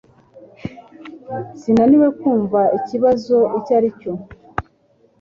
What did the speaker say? Sinaniwe kumva ikibazo icyo aricyo